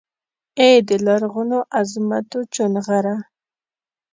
ای دلرغونوعظمتوچونغره!